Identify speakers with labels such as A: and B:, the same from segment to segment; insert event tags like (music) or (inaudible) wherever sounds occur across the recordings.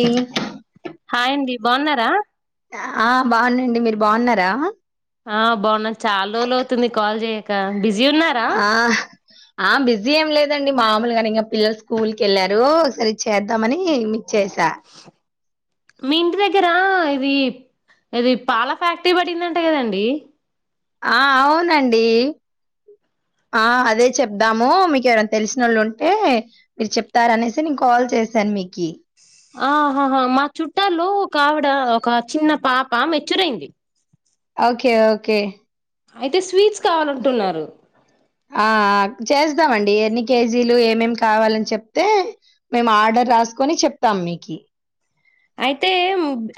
A: ఇ
B: hi అండి బాగున్నారా
A: ఆ బాగున్నాండి మీరు బాగున్నారా
B: ఆ బాగున్నా చాలా రోల అవుతుంది కాల్ చేయక బిజీ ఉన్నారా
A: ఆ ఆ బిజీ ఏం లేదండి మాము కానీ ఇంకా పిల్లలు స్కూల్ క వెళ్ళారు సరే చేద్దామని చేసా
B: మీ ఇంటి దగ్గరా ఇది ఇది పాల ఫ్యాక్టరీ పడిదంట కదండి
A: ఆ అవునండి ఆ అదే చెప్దాము మీకు ఎవరైనా తెలిసినోళ్ళు ఉంటే మీరు చెప్తార అనేసి నేను కాల్ చేశాను మీకి
B: ఆహాహా మా చుట్టాలో ఒక ఆవిడ ఒక చిన్న పాప మెచ్చురైంది
A: ఓకే ఓకే
B: అయితే స్వీట్స్ కావాలంటున్నారు
A: ఆ చేస్తామండి ఎన్ని కేజీలు ఏమేమి కావాలని చెప్తే మేము ఆర్డర్ రాసుకొని చెప్తాం మీకి
B: అయితే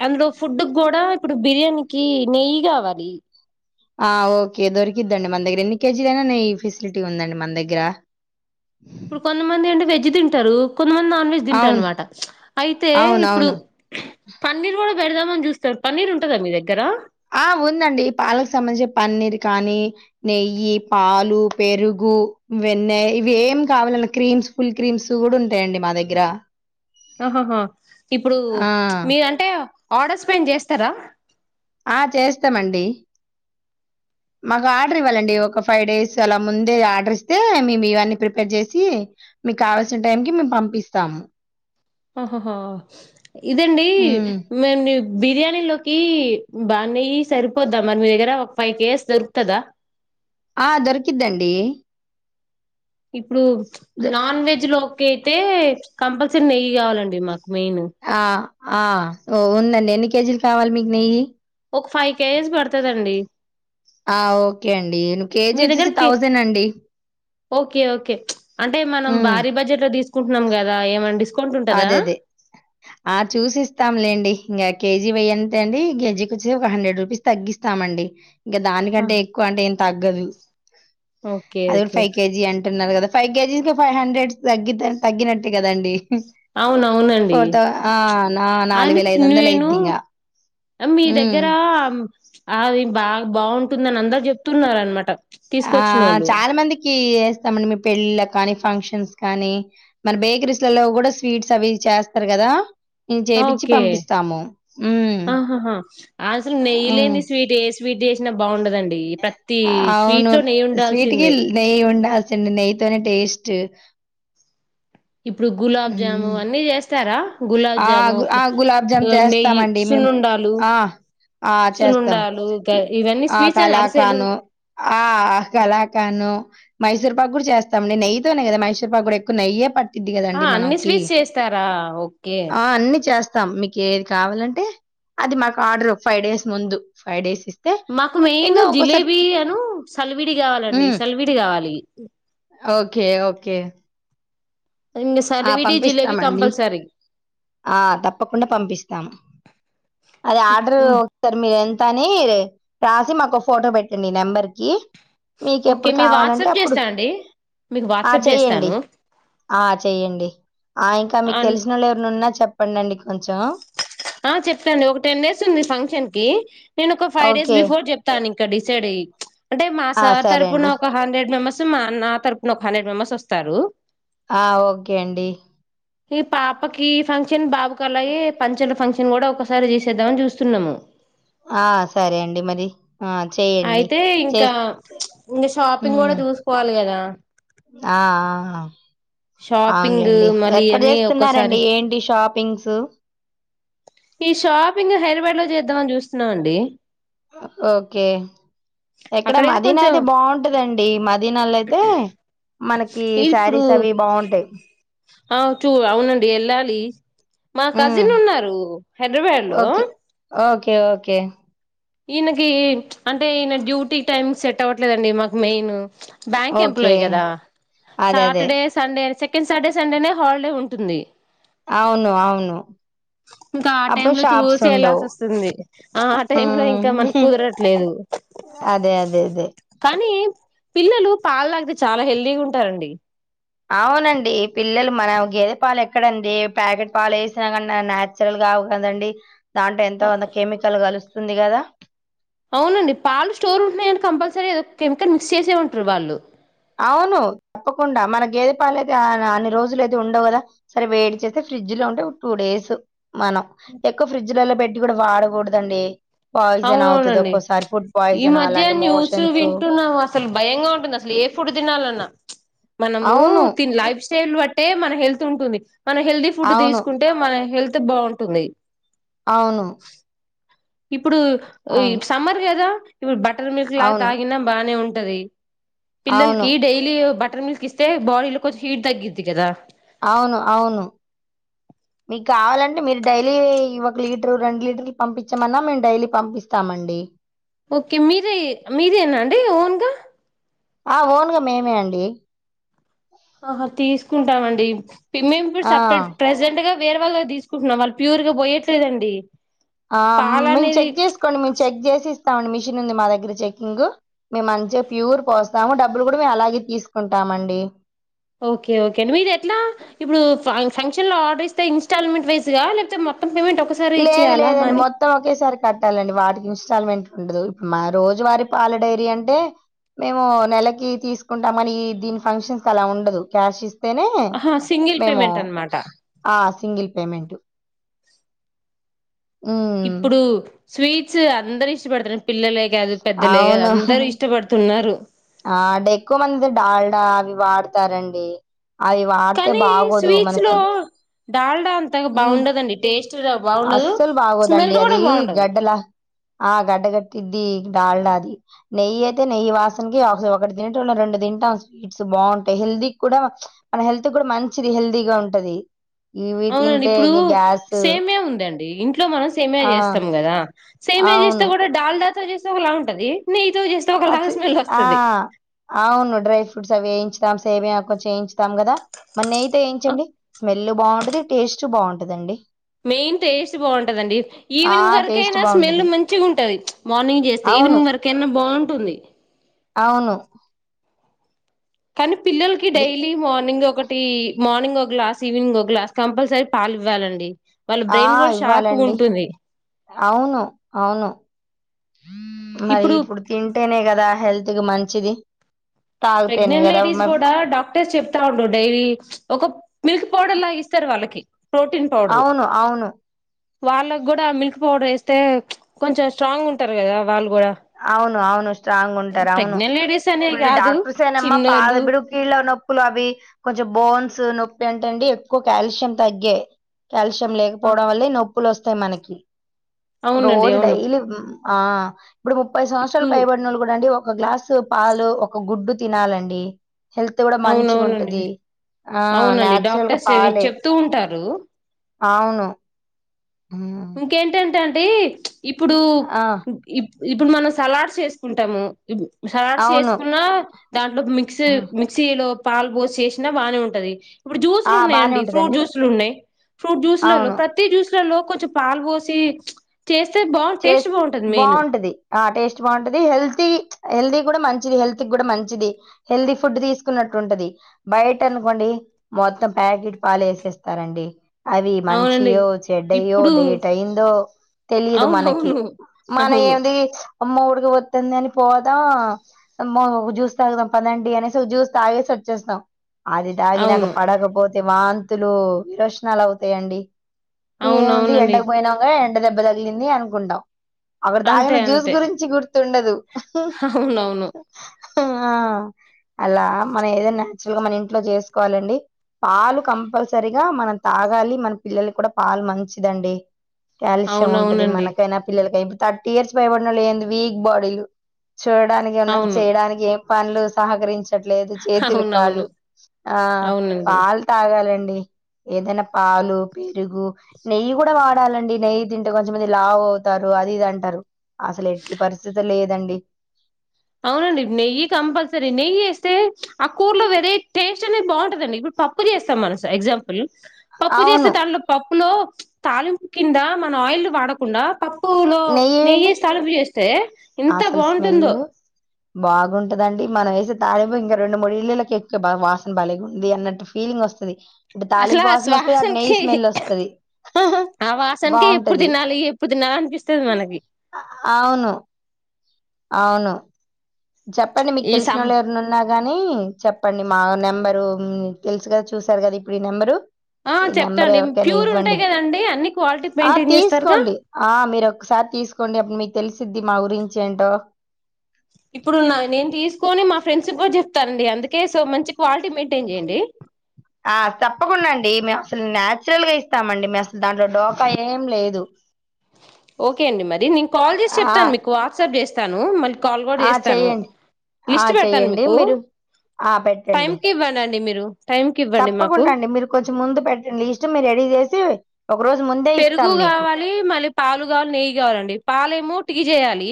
B: అందులో ఫుడ్ గూడా ఇప్పుడు బిర్యానీకి నెయ్యి కావాలి
A: ఆ ఓకే దొరికిద్దండి మన దగ్గర ఎన్ని కేజీల అయినా ఈ ఫెసిలిటీ ఉందండి మన దగ్గర అ
B: ఇప్పుడు కొంతమంది ఏంటి వెజ్ తింటారు కొంతమంది నాన్ వెజ్ తింటారు
A: అవును
B: అనమాట అయితే ఇప్పుడు
A: అవునవును.
B: పన్నీర్ కూడా పెడదామని చూస్తారు పన్నీర్ ఉంటదా మీ దగ్గర
A: ఆ ఉందండి పాలకు సంబంధించి పన్నీర్ కానీ నెయ్యి పాలు పెరుగు వెన్నయ ఇవి ఏం కావాలన్నా క్రీమ్స్ ఫుల్ క్రీమ్స్ కూడా ఉంటాయండి మా దగ్గర
B: ఆహాహా ఇప్పుడు
A: ఆ!
B: మీరు అంటే ఆర్డర్స్ పైన చేస్తారా
A: ఆ చేస్తామండి మాకు ఆర్డర్ ఇవ్వాలండి ఒక ఫైవ్ డేస్ అలా ముందే ఆర్డర్ ఇస్తే మేము ఇవన్నీ ప్రిపేర్ చేసి మీకు కావాల్సిన టైం కి మేము పంపిస్తాము
B: ఆహాహా ఇదండి
A: హ్మ్.
B: మే బిర్యానీ లోకి బానేయ్య సరిపోద్దా మరి మీ దగ్గర ఒక ఫైవ్ కేజెస్ దొరుకుతుందా
A: ఆ దొరకిద్దండి
B: ఇప్పుడు
A: దొర్
B: నాన్ వెజ్ లోకి అయితే కంపల్సరీ నెయ్యి కావాలండి మాకు మెయిన్
A: ఆ! ఆ ఓ ఉందండి ఎన్ని కేజీలు కావాలి మీకు నెయ్యి
B: ఒక ఫైవ్ కేజెస్ పడుతాదండి
A: ఆ ఓకే అండి ను కేజీ
B: మీ దగ్గర
A: వచ్చేసి
B: కే
A: థౌజండ్ అండి
B: ఓకే ఓకే అంటే మనం
A: హ్మ్.
B: భారీ బడ్జెట్ లో తీసుకుంటున్నాం కదా ఏమండి డిస్క
A: అదే అదే ఆ చూసిస్తాంలేండి ఇంకా కేజీ వెయ్యంటే అండి కేజీకి వచ్చి ఒక హండ్రెడ్ రూపీస్ తగిస్తామండి ఇంకా
B: ఆహా!
A: దానికంటే ఎక్కువ అంటే ఏం తగ్గదు
B: ఓకే
A: అది కూడా
B: ఓకే
A: ఫైవ్ కేజీ అంటే అంటున్నారు కదా ఫైవ్ కే జిస్కు ఫైవ్ హండ్రెడ్స్ తగ్ తగ్గినట్టే కదండి
B: అవునవునండి
A: కొరత ఆ నా నాలుగు
B: అండి
A: వేల ఐదు వందల
B: నేను
A: అయిద్దిగా
B: మీ దగ్గర అది బా బాగుంటుందని అందరు చెప్తున్నారన్న మాట
A: ఆ చాలా మందికి స్తామండి మీ పెళ్ళిళ కానీ ఫంక్షన్స్ కానీ మన బేకరీస్ లలో కూడా స్వీట్స్ అవి చేస్తారు కదా
B: ఓకే
A: హ్మ్.
B: ఆహాహా అసలు
A: ఆ!
B: నెయ్యి
A: హ్మ్.
B: లేంది స్వీట్ ఏంటి స్వీట్ స్వీట్ చేసినా బాగుండదండి ప్రతి
A: అవును.
B: స్వీట్ లో నెయ్య ఉండాల్సిందే
A: నెయితోనే టేస్ట్
B: ఇప్పుడు గులాబ్ జాము
A: హ్మ్.
B: అన్నీ చేస్తారా గులాబ్
A: ఆ!
B: జామ్
A: గు ఆ! గులాబ్ జామ్
B: నెయ్యి
A: చేస్తామండి మేము.
B: సునుండాలు
A: ఆ! ఆ! చేస్తాం.
B: సునుండాలు గ ఇవన్నీ
A: ఆ!
B: స్వీట్స్ అని అరిసెలు
A: కలాకాను. ఆ కలకాండు మైసూరు పాక్ కూడా చేస్తాం నెయ్యతోనే కదా మైసూరు పాక్ కూడా ఎక్కువ నెయ్యి పట్
B: ఆ అన్ని స్వీట్స్ చేస్తారా ఓకే
A: ఆ అన్నీ చేస్తాం మీకు ఏది కావాలంటే అది మాకు ఆర్డర్ ఒక ఫైవ్ డేస్ ముందు ఫైవ్ డేస్ ఇస్త
B: మాకు మెయిన్ జిలేబీ అను సల్విడి కావాలండి
A: హ్మ్.
B: సల్విడి కావాలి
A: ఓకే ఓకే
B: ఇక
A: ఆ!
B: సల్విడి జిలేేబి
A: పంపిస్తామండి.
B: కంపల్సరి
A: ఆ తప్పకుండా పంపిస్తాము అదే ఆర్డర్ ఒకసారి మీరు అనీ రాసి మాకు ఫోటో పెట్టండి నెంబర్కి
B: ఓకే
A: మీకెప్పుడు
B: మీ
A: కావాలంటే
B: వాట్సాప్
A: అప్పుడు
B: చేస్తా అండి మీకు
A: ఆ
B: వాట్సాప్
A: చెయ్యండి
B: చేస్తాను
A: ఆ ఆ ఇంకా మీకు
B: అన్
A: తెలిసినోళ్ళు ఎవరి ఉన్నా చెప్పందండి
B: ఆ చెప్తాను ఒక టెన్ డేస్ ఉంది ఫంక్షన్ కి నేను ఒక ఫైవ్ డేస్
A: ఓకే
B: బిఫోర్ చెప్తాను నింక డిసైడ్ అయి అంటే మా
A: ఆ
B: సార్
A: సరే అండి
B: తరపున ఒక హండ్రెడ్ మెంబర్స్ మా నా తరపున ఒక హండ్రెడ్ మెంబర్స్ వస్తారు
A: ఆ ఓకే అండి
B: ఈ పాపకి ఫంక్షన్ బాబు కలయి చల ఫంక్షన్ కూడా ఒకసారి చేసేద్దామని చూస్తున్నాము
A: ఆ సరే అండి మరి ఆ చెయ్యండి
B: అయితే ఇంకా
A: చేస్తే
B: ఇంగ
A: ఊ
B: షాపింగ్ కూడా చూసుకోవాలి కదా
A: ఆ
B: షాపింగ్
A: అవునులేండి
B: మళ్ళీ
A: ఎక్కడ
B: ఇయన్నీ
A: జేస్తున్నారండి
B: ఒక్కసారి
A: ఏంటి షాప్ తింగ్సు
B: ఈ షాపింగ్ హైడ్రాబాద్ లో చేద్దామని చూస్తున్నాం అండి
A: ఓకే ఎక్కడ
B: అక్కడైతే
A: మదీనా
B: కొంచెం
A: అయితే బాంటదండి మదీనాలో అయితే మనకి
B: ఇప్పుడు
A: శారీస్ అవి బాంటాయ్
B: ఆ చూ అవునండి వెళ్ళాలి మా
A: ఉమ్
B: కజిన్ ఉన్నారు హైదరాబాద్ లో
A: కే ఓకే
B: ఈయనకి అంటే ఈయన డ్యూటీ టైం సెట్ అవ్వట్లేదండి మాకు మెయిను బ్యాంక్
A: ఓకే
B: ఎంప్లాయీ గదా
A: అదే అదే
B: సాటర్డే సండే అనేసి సెకండ్ సాటర్డే సండేనే హాలిడే ఉంటుంది
A: అవును అవును
B: ఇంకా ఆ టైమ్
A: అప్పుడు
B: లో
A: షాప్స్
B: చూసి
A: ఉండవు
B: వెళ్లాల్సి వస్తుంది ఆ టైం లో ఇం
A: ఉమ్
B: ఇంకా మన కుదరట్లేదు
A: అదే అదే అదే
B: కానీ పిల్లలు పాల్ దాగితే చాలా హెల్దీగా ఉంటారండి
A: అవునండి పిల్లలు మన గేదె పాలు ఎక్కడండి ప్యాకెట్ పాలు ఏసినా గాని న్యాచురల్ గా రావు కదండి దాంట్లో
B: ఆ
A: ఎంతో గంత కెమికల్ గలుస్తుంది కదా
B: అవునండి పాలు స్టోర్ ఉంటున్నాయంటే కంపల్సరి ఏదో కెమికల్ మిక్స్ చేసే ఉంటారు వాళ్ళు
A: అవును తప్పకుండా మన గేద పాల అయితే అన్ని రోజులు అయితే ఉండవు గదా సరే వేడి చేస్తే ఫ్రిడ్జ్ లో ఉంటే ఒక టూ డేస్ మనం ఎక్కువ ఫ్రిడ్జ్లలో బట్టి కూడా వాడగూడదండి
B: అవునవునండి ఈ
A: పాయిజన్
B: మధ్య
A: అలాంటి
B: న్యూస్
A: మోషన్స్
B: వింటున్నాం అసలు భయంగా ఉంటుంది అసలు ఏ ఇప్పుడు దినాలన్నా మనము
A: అవును.
B: తిని లైఫ్ స్టైల్ బట్టే మన హెల్త్ ఉంటుంది మనం హెల్ది ఫుడ్
A: అవును.
B: దీసుకుంటే మన హెల్త్ బాంటుంది
A: అవును
B: ఇప్పుడు ఈ
A: అవును.
B: సమ్మర్ కదా ఇప్పుడు బటర్ మిల్క్ లాగా
A: అవును.
B: తాగిన బానే ఉంటది
A: అవును.
B: పిల్లలకి డైలీ బటర్ మిల్క్ ఇస్తే బాడీలో కొంచం హీట్ తగ్గిద్ది కదా
A: అవును అవును మీకు కావాలంటడి మీరు డైలీ ఒక లీటరు రెండు లీటర్ పంపించమన్నా మేము డైలీ పంపిస్తామండి
B: ఓకే మీరే మీదేనా అండి ఓన్ గా
A: ఆ ఓన్ గా మేమే అండి
B: ఆహ తీసుకుంటా మండి మేము ఇప్పుడు
A: ఆ!
B: సపరేట్ ప్రజెంట్ గా వేరే వాళ్ళ దగ్గర తీసుకుంటున్నాం వాళ్ళు ప్యూర్ గా పోయట్లేదండి
A: ఆ
B: పాల
A: మేము
B: అనేది
A: చెగ్ చేసుకోని మేము చెగ్ చేసి స్తాం మిషన్ ఉంది మా దగ్గర చెకింగ్ మేము మంచిగా ప్యూర్ పోస్తాము డబ్బులు గూడా మేము అలాగే తీసుకుంటాము మండి
B: ఓకే ఓకే అండి మీరు ఎట్లా ఇబ్బుడు ఫంక్షన్ లో ఆర్డర్ ఇస్తే ఇన్స్టాల్ మెంట్ వైస్ గా లేకపోతే పేమెంట్ ఒకసారి
A: లేదు
B: ఇచ్చేయాలా
A: లేదండి
B: మనీ
A: మొత్తం ఒకేసారి కట్టాలండి వాటికి ఇన్స్టాల్మెంట్ ఉండదు మా రోజువారి పాల డైరీ అంటే మేము నెలకి తీసుకుంటాం అని దీని ఫంక్షన్స్ కి అలా ఉండదు క్యాష్ ఇస్ త్తేనే
B: ఆహా సింగిల్
A: మేము
B: పేమెంట్ అనమాట
A: ఆ సింగిల్ పేమెంటు హ్మ్.
B: ఇప్పుడు స్వీట్సు అందరు ఇష్టపడతరని పిల్లలే గాదు పెద్దలే గా దు
A: అవును.
B: అందరూ ఇష్టపడుతున్నారు
A: ఆ డెక్కువ మంది డాల్డా అవి వాడతారండి అవి వాడితే
B: కానీ
A: బాగోదు
B: స్వీట్స్ లో
A: మనకి
B: డాల్డా అంతగా
A: ఉ
B: బాగుండదండి టేస్ట్ బాగుండదు
A: అస్సలు
B: స్మెల్
A: బాగోదండి అది
B: కూడా బాగుండదు
A: గడ్డలా ఆ గడ్డ గట్టిద్ది డాల్డా అది నెయ్యి అయితే నెయ్యి వాస ఇంగి ఆ ఒకసారి ఒకటి తినోటల్లం రెండు తింటాం స్వీట్స్ బాగుంటాయి. హెల్తీ కూడా మన హెల్త్ కూడా మంచిది. హెల్దీ గా ఉంటది. ఇవి
B: అవునండి
A: తింటే
B: ఇప్పుడు
A: ఇగ గ్యాసు
B: సేమ్యా ఉందండి. ఇంట్లో మనం సేమ్యా
A: ఆ!
B: చేస్తాం కదా సేమ్యా చేస్తే
A: అవును.
B: కూడా డాల్డా తో చేస్తే ఒకలా ఉంటది. నెయ్యితో చేస్తే ఒకలాగా
A: అసి
B: స్మెల్
A: ఆ
B: వస్తది
A: అవును డ్రై ఫ్రూట్స్ అవి వేయించుదాం సేమ్యా కొంచెం ఎయించ స్తాం కదా మరి నెయ్యితో
B: ఆ,
A: ఏయించండి. స్మెల్ బాగుంటది టేస్ట్ బాగుంటదండి.
B: మెయిన్ టేస్ట్ బాగుంటదండి
A: ఆ!
B: ఈవినింగ్
A: టేస్ట్
B: వరకాకైనా స్మెల్
A: బావుంటది.
B: మంచిగా ఉంటది. మార్నింగ్ చేస్తే
A: అవును.
B: ఈవినింగ్ వరకైనా బాగుంటుంది.
A: అవును
B: కానీ పిల్లలకి
A: ది
B: డైలీ మార్నింగ్ ఒ ఒకటి మార్నింగ్ ఓ గ్లాస్ ఈవినింగ్ ఒ గ్లాస్ కంపల్సరీ పాలు ఇవ్వాలండి. వాళ్ళ
A: ఆ!
B: బ్రెయిన్ కూడా షార్ప్గా
A: ఇవ్వాలండి.
B: ఉంటుంది.
A: అవును అవును మరి ఇప్పుడు తింటేనే కదా హెల్త్కి మంచిది. తాగితేనే
B: ప్రెగ్నెంట్
A: కదా
B: లేడీస్
A: మ
B: కూడా డాక్టర్స్ చెప్తా ఉండు డైలీ ఒక మిల్క్ పౌడర్ లాగా ఇస్తారు వాళ్ళకి ప్రోటీన్ పౌడర్
A: అవును అవును
B: తే కొంచెం స్ట్రాంగ్ ఉంటారు కదా వాళ్ళు కూడా
A: అవును అవును స్ట్రాంగ్ ఉంటారు అవును.
B: ప్రెగ్నెంట్ లేడీస్ అనే
A: ఇప్పుడు
B: కాదు
A: డాక్టర్స్ ఏనమ్మా పాద
B: చిన్నోళ్ళు
A: బిడు కీళ్ళ నొప్పులు అవి కొంచెం బోన్స్ నొప్పి అంటండి ఎక్కువ కాల్షియం తగ్గే కాల్షియం లేకపోవడం వల్ల ఈ నొప్పులు వస్తాయి. మనకి
B: అవునండి
A: రోజు
B: అవును
A: డైలీ ఆ ఇప్పుడు ముప్పై సంవత్సరాలు
B: ఇప్పుడు
A: పైబడినోళ్ళు కూడా అండి ఒక ఒక గ్లాసు పాలు ఒక గుడ్డు తినాలండి. హెల్త్ కూడా మంచిగా
B: అవునవునండి
A: ఉంటది. ఆ
B: అవునండి
A: న్యాచురల్గా
B: డాక్టర్స్
A: పాలే
B: చెప్తూ ఉంటారు
A: అవును. హ్మ్.
B: ఇంకేంటంటండి ఇప్పుడు
A: ఆ!
B: ఇప్పుడు మనం సలాడ్స్ చేసుకుంటాము. సలాడ్స్
A: అవును.
B: చేసుకున్నా దాంట్లో మిక్సీ
A: హ్మ్.
B: మిక్సీలో పాలు పోసి చేసినా బానే ఉంటది ఇప్పుడు జ్యూస్లు
A: ఆ! బానే
B: ఉన్నాయండి ఫ్రూట్
A: ఉంటదండి.
B: జ్యూసులు ఉన్నాయి ఫ్రూట్ జ్యూస్లలో
A: అవును.
B: ప్రతి జ్యూస్లలో కొంచెం పాల్ ఓసి చ్చ్ చేస్
A: చేస్ బాగుంటది ఆ టేస్ట్ బాగుంటది. హెల్తీ హెల్తీ మంచిది హెల్త్ కూడా మంచిది హెల్తీ ఫుడ్ తీసుకున్నట్టు ఉంటది బయట అనుకోండి మ మొత్తం ప్యాకెట్ పాలు వేసేస్తారండి. అవి
B: అవునండి
A: మంచియో చెడ్డయ్యో
B: ఇప్పుడు
A: డేట్ అయిందో తెలియదు మనకి
B: అవునవును
A: మన
B: అవును
A: ఏంది అమ్మో వుడ్క్ ఒత్తంది అని పోతాం ఒక జ్యూస్ తాగుదాం పదండి అనేసి ఒక జ్యూస్ తాగిసి చేస్తాం. అది తాగినక
B: అవును
A: పడకపోతే వాంతులు విరోచనాలు అవుతాయండి. ఇగ ఏముంది
B: అవునవునండి
A: ఎండకు పోయినాక ఎండ దెబ్బ తగిలింది అనుకుంటాం. అక్కడ తాగిన
B: అంతే
A: జ్యూస్
B: అంతే
A: గురించి గుర్తుండదు.
B: అవునవును
A: ఆ అలా మనం ఏదైనా నాచురల్ గా మన ఇంట్లో చేసుకోవాలండి. పాలు కంపల్సరిగా మనం తాగాలి. మన పిల్లల కూడా పాలు మంచిదండి. కాల్షియం ఉంటది
B: అవునవునండి
A: మనకి పిల్లలకు ఏం థర్టీ ఇయర్స్ భయపడిన ఏంది వీక్ బాడీలు చూడడానికి ఉన్నారు
B: అవును
A: చేయడానికి ఏం పనులు సహకరించట్లేదు చేతులు
B: అవునవును
A: కాళ్ళు ఆ
B: అవునండి
A: పాలు తాగాలన్ ఏదైనా పాలు పెరుగు నెయ్యి గూడా వాడాలండి నెయ్యి తింటే కొంచెమంది లావ అవుతారు అది ఇది అంటారు అసలు ఎట్టి పరిస్థితులేదండి.
B: అవునండి నెయ్యి కంపల్సరీ నెయ్యి వేస్తే ఆ కూరలో వెరే టేస్ట్ అనేది బాగుంటుందండి ఇప్పుడు పప్పు చేస్తాం మనం సో ఎగ్జాంపుల్ పప్పు చేసే
A: అవును
B: దానీలో పప్పులో తాలింపు కింద మన ఆయిల్ వాడకుండా పప్పు ప్పు లో
A: నెయ్యి వేయండి
B: నెయ్యిసి తలంపు ఎస్తే ఎంత బాగుంటుందో
A: బాగుంటుదండి మన వేసే తాలింపు ఇంకా రెండు మూడు ఇళ్లకు ఎక్కే వాసన బలేగా ఉంది అన్నట్ ఫీలింగ్ వస్తు స్తది ఇటు
B: అసలు ఆ
A: తాలింపూసన వస్తది. అటు నెయ్యి
B: శ్వాసనకి
A: స్మెల్ వస్తది.
B: ఆ వాసనేకే ఎప్పుడు
A: బాగుంటది
B: తినాలి ఎప్పుడు తినాలి అనిపిస్తది మనకి
A: అవును అవును చెప్పండి మీకు
B: ఈ
A: తెలిసిన
B: సం
A: వాళ్ళు ఎవరు ఉన్నార్ గా అని చెప్పండి మా నెంబరు తెలుసు కదా చూసారు కదా ఇప్పుడు ఈ నెంబరు
B: ఆ
A: ఈ నెంబర్
B: చెప్తాండి
A: ఎవరికైనా
B: ప్యూర్
A: ఇవ్వండి
B: ఉంటాయి కదండి అన్ని క్వాలిటీ
A: ఆ
B: మెయింటైన్ చేస్తారుగా
A: తీస్కోండి ఆ మీరు ఒకసారి ఆ తీసుకోండి అప్పుడు మీకు తెలసిద్ది మా గురించి ఏంటో
B: ఇప్పుడు న నేన్ తీసుకొని మా ఫ్రెండ్స్ కూడ చెప్తా అండి అందుకే సో మంచి క్వాలిటీ మెయింటైన్ చేయండి
A: ఆ తప్పకుండా మేము అసలు నాచురల్ గా ఇస్తామండి మ అసలు దాంట్లో డోకా ఏం లేదు
B: ఓకే అండి మరి నేను కాల్ చేసి
A: ఆ
B: చెప్తాను మీకు వాట్సాప్ చేస్తాను మళ్ళ కాల్ కూడా
A: ఆ
B: చేస్తాను
A: చెయ్యండి ఆ
B: లిస్ట్ పెడతాన్
A: చెయ్యండి
B: మీకు
A: మీరు
B: టైమ్ కి ఇవ్వండండి మీరు టైంకి ఇవ్వండి
A: తప్పకుండ
B: మాకు
A: అండి మీరు కొంచెం ముందు పెట్టండి ఇష్టం మీరు రెడీ చేసి ఒక రోజు ముందే
B: పెరుగు
A: ఇస్తాం మీకు
B: కావాలి మళ్ళీ పాలు కావాలి నెయ్యి కావాలండి పాలేమో టీ చేేయాలి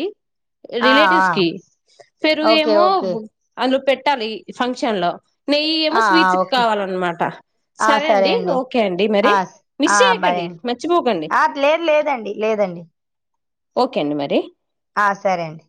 A: ఆ ఆ
B: రిలేటివ్స్ కి
A: ఓకే
B: పెరుగెమో
A: ఓకే
B: అనేదులో పెట్ పెట్టాలి ఫంక్షన్లో నెయ్యి ఏమో
A: ఆ ఆ
B: స్వీట్స్ కి
A: ఓకే
B: కావాలన్నమాట సరే అండి ఓకే అండి మరి
A: ఆ స-
B: మిస్
A: ఆ బాయ్
B: చేయకండి
A: అండి
B: మ
A: ఆ (unintelligible) లేదండి లేదండి
B: ఓకే అండి మరి
A: ఆ సరే అండి